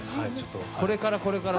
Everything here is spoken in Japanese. これから、これから。